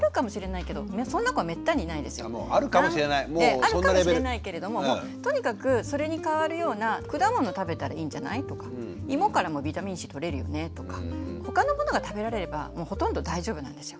あるかもしれないけれどもとにかくそれに変わるような「果物食べたらいいんじゃない」とか「芋からもビタミンＣとれるよね」とか他のものが食べられればもうほとんど大丈夫なんですよ。